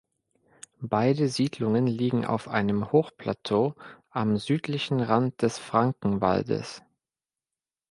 Beide Siedlungen liegen auf einem Hochplateau am südlichen Rand des Frankenwaldes.